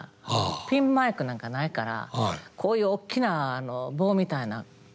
ピンマイクなんかないからこういうおっきな棒みたいなん。